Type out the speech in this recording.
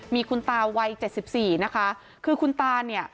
มีคุณตาวัยเจ็ดสิบสี่นะคะคือคุณตาเนี่ย